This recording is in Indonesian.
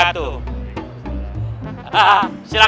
aduk udah berubah